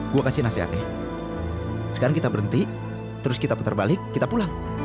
gue kasih nasihatnya sekarang kita berhenti terus kita putar balik kita pulang